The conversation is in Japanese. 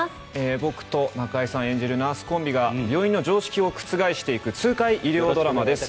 僕と中井さん演じるナースコンビが病院の常識を覆していく痛快医療ドラマです。